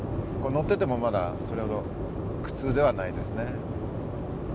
乗っててもそれほど苦痛ではないですね。